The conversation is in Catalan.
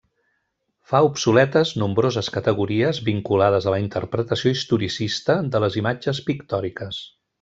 Fa obsoletes nombroses categories vinculades a la interpretació historicista de les imatges pictòriques.